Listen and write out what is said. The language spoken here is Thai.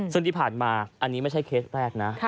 ซึ่งที่ผ่านมาอันนี้ไม่ใช่เคสแรกนะ